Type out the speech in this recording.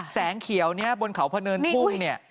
แสงเขียวนี้บนเขาพะเนินทุ่งเนี่ย